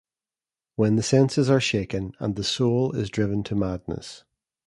When the senses are shaken, and the soul is driven to madness.